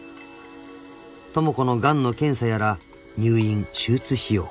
［智子のがんの検査やら入院手術費用］